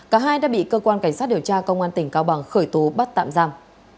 cả hai đã bị cơ quan cảnh sát điều tra công an tỉnh cao bằng khởi tố bắt tạm giam